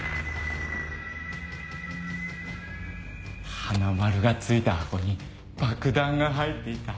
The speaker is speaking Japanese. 「はなまる」が付いた箱に爆弾が入っていた。